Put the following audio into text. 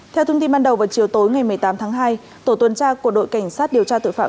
theo thông tin ban đầu vào chiều tối ngày một mươi tám tháng hai tổ tuần tra của đội cảnh sát điều tra tội phạm